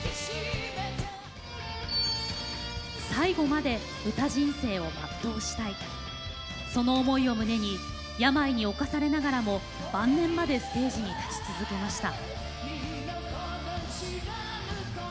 最後まで歌人生を全うしたいその思いを胸に病に冒されながらも晩年までステージに立ち続けました。